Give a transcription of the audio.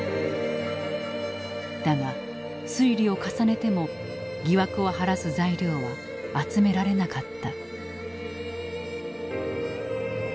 だが推理を重ねても疑惑を晴らす材料は集められなかった。